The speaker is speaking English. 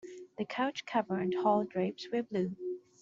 The couch cover and hall drapes were blue.